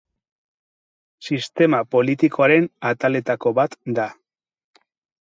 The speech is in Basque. Sistema politikoaren ataletako bat da.